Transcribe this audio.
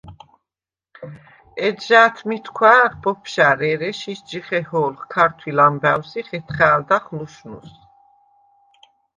ეჯჟა̄̈თმითქუ̂ა̄̈ნხ ბოფშა̈რ ერე, შიშდ ჟიხეჰო̄ლხ ქართუ̂ილ ამბა̈უ̂ს ი ხეთხა̄̈ლდახ ლუშნუს.